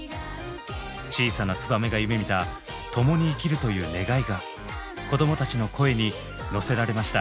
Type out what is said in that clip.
小さなツバメが夢みた「共に生きる」という願いが子どもたちの声に乗せられました。